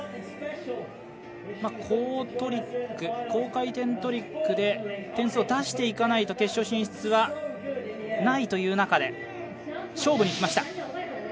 高トリック、高回転トリックで点数を出していかないと決勝進出はないという中で勝負にきました。